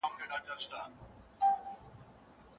د سود لاره ډېره خطرناکه ده.